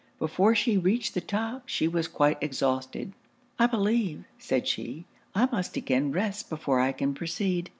Before she reached the top, she was quite exhausted. 'I believe,' said she, 'I must again rest before I can proceed.'